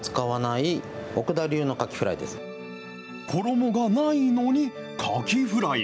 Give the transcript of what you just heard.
衣がないのに、かきフライ。